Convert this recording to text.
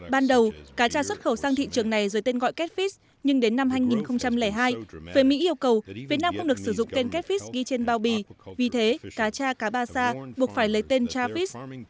ban đầu cá cha xuất khẩu sang thị trường này dưới tên gọi catfish nhưng đến năm hai nghìn hai về mỹ yêu cầu việt nam không được sử dụng tên catfish ghi trên bao bì vì thế cá cha cá ba sa buộc phải lấy tên catfish